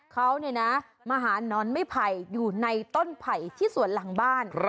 เขามาหานอนไม่ไผ่อยู่ในต้นไผ่ที่สวนหลังบ้าน